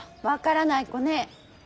分からない子ね。